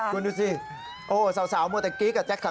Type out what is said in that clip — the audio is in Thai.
คุณดูสิโอ้สาวเมื่อเมื่อกี้กับแจ็คสันหวัง